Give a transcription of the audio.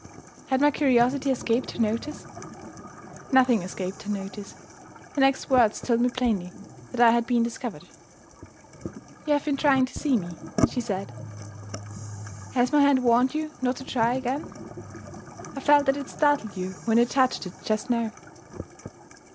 Had my curiosity escaped her notice? Nothing escaped her notice. Her next words told me plainly that I had been discovered. "You have been trying to see me," she said. "Has my hand warned you not to try again? I felt that it startled you when you touched it just now."